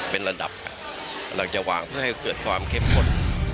เป็นระดับเราจะวางเพื่อให้เกิดความเข้มข้น